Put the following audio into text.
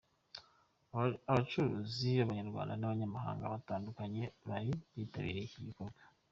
Abacuruzi babanyarwanda n’abanyamahanga batandukanye bari bitabiriye iki gikorwa